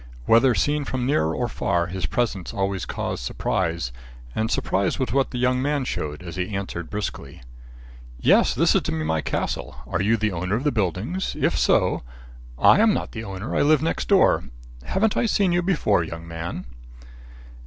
Whether seen near or far, his presence always caused surprise, and surprise was what the young man showed, as he answered briskly: "Yes, this is to be my castle. Are you the owner of the buildings? If so " "I am not the owner. I live next door. Haven't I seen you before, young man?"